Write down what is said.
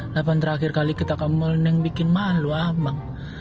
lapan terakhir kali kita ke mall neng bikin malu abang